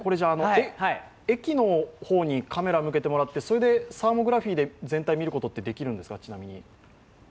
駅の方にカメラを向けてもらって、それでサーモグラフィーで全体を見ることってできるんですか？